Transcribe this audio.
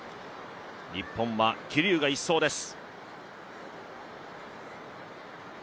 日本は桐生が１走です。